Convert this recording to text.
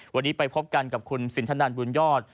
วันนี้ไปพบกันกับคุณสินทนันบุญยอด